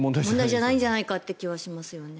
じゃないんじゃないかという気がしますよね。